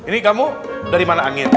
ini kamu dari mana angin